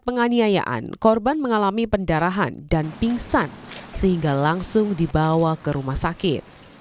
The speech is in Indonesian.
penganiayaan korban mengalami pendarahan dan pingsan sehingga langsung dibawa ke rumah sakit